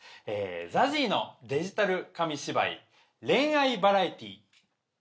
ＺＡＺＹのデジタル紙芝居恋愛バラエティー。